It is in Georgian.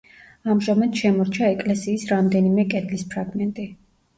ამჟამად შემორჩა ეკლესიის რამდენიმე კედლის ფრაგმენტი.